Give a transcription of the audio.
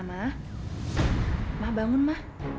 ma bangun ma